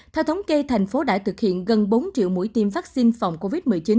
theo thống kê thành phố đã thực hiện gần bốn triệu mũi tiêm vaccine phòng covid một mươi chín